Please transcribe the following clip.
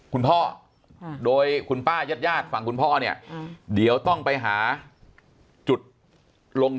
คุณพ่อโดยคุณป้ายาดฝั่งคุณพ่อเนี่ยเดี๋ยวต้องไปหาจุดลง